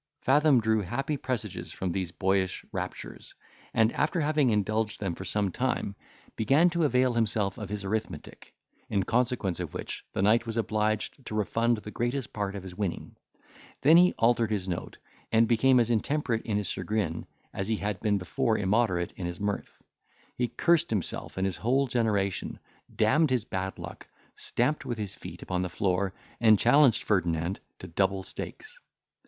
Fathom drew happy presages from these boyish raptures, and, after having indulged them for some time, began to avail himself of his arithmetic, in consequence of which the knight was obliged to refund the greatest part of his winning. Then he altered his note, and became as intemperate in his chagrin, as he had been before immoderate in his mirth. He cursed himself and his whole generation, d— ed his bad luck, stamped with his feet upon the floor, and challenged Ferdinand to double stakes.